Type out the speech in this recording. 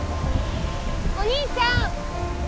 お兄ちゃん